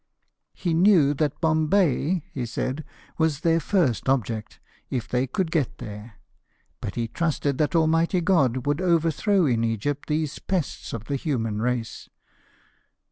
" He knew that Bombay," he said, " was their first object, if they could get there ; but he trusted that Almighty God would overthrow in Egypt these pests of the human race.